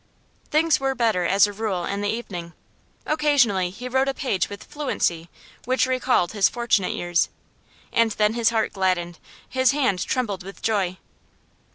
Things were better, as a rule, in the evening. Occasionally he wrote a page with fluency which recalled his fortunate years; and then his heart gladdened, his hand trembled with joy.